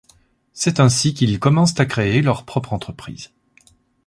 C’est ainsi qu’ils commencent à créer leur propre entreprise.